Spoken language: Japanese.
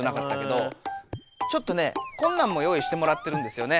ちょっとねこんなんも用いしてもらってるんですよね。